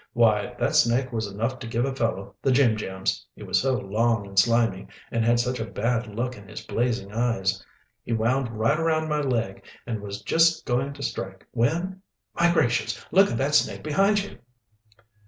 "Why, that snake was enough to give a fellow the jim jams, he was so long and slimy, and had such a bad look in his blazing eyes. He wound right around my leg and was just going to strike, when My gracious! look at that snake behind you!"